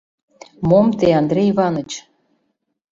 — Мом те, Андрей Иваныч!